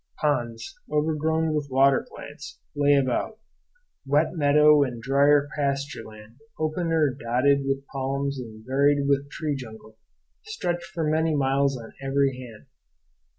Ponds, overgrown with water plants, lay about; wet meadow, and drier pastureland, open or dotted with palms and varied with tree jungle, stretched for many miles on every hand.